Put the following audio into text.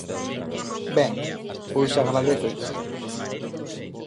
Ben, pois agradézollo.